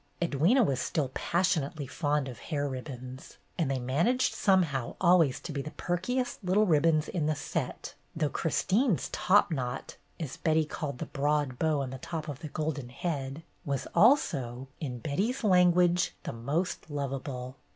Edwyna was still "passionately fond of hair ribbons,'' and they managed somehow always to be the perkiest little ribbons in the set, though Christine's "topknot," as Betty called the broad bow on the top of the golden head, was, also in Betty's language, "the most lovable."